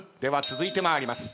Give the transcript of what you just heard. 続いて参ります。